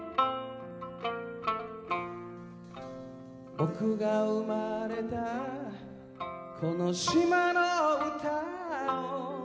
「僕が生まれたこの島の唄を」